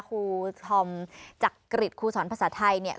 ครูทอมจากกริจครูสอนภาษาไทย